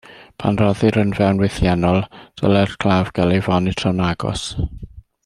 Pan roddir yn fewnwythiennol, dylai'r claf gael ei fonitro'n agos.